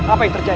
apa yang terjadi